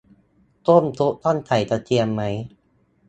ต้มซุปต้องใส่กระเทียมไหม